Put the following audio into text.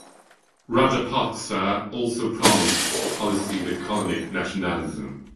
Rajapaksa also promised a policy of economic nationalism.